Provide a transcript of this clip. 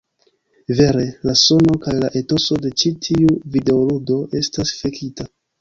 Vere, la sono kaj la etoso de ĉi tiu videoludo estas fekita.